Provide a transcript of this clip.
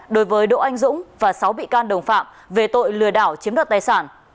đối với đỗ anh dũng và sáu bị can đồng phạm về tội lừa đảo chiếm đoạt tài sản